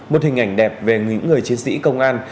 một hình ảnh đẹp về những người chiến sĩ công an